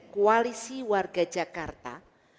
koalisi warga jakarta